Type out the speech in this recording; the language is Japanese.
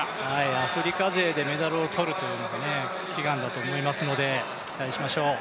アフリカ勢でメダルを取るというのが悲願だと思いますので期待しましょう。